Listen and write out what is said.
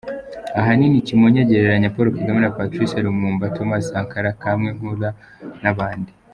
Ahanini, Kimonyo agereranya Paul Kagame na Patrice Lumumba, Thomas Sankara, Kwamé Nkrumah n’ abandi.